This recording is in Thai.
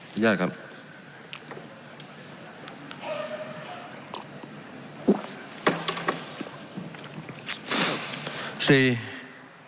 สวัสดีครับ